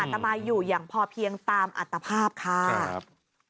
ตมายอยู่อย่างพอเพียงตามอัตภาพค่ะ